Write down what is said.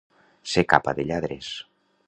Ser capa de lladres.